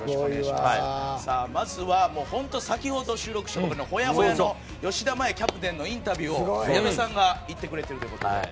まずは本当、先ほど収録したほやほやの吉田麻也キャプテンのインタビューを矢部さんが行ってくれているということで。